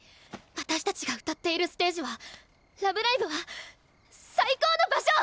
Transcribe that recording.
私たちが歌っているステージは「ラブライブ！」は最高の場所！